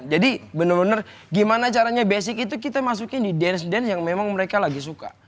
jadi bener bener gimana caranya basic itu kita masukin di dance dance yang memang mereka lagi suka